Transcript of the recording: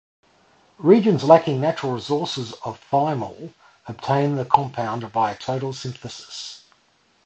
Regions lacking natural sources of thymol obtain the compound via total synthesis.